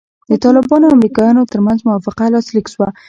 د طالبانو او امریکایانو ترمنځ موافقه لاسلیک سوه.